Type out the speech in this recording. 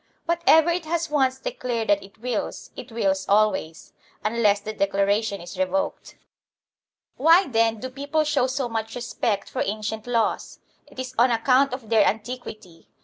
What ever it has once declared that it wills, it wills always, unless the declaration is revoked. Why, then, do people show so much respect for ancient laws? It is on account of their antiquity.